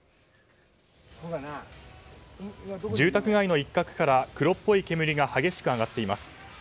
住宅街の一角から黒っぽい煙が激しく上がっています。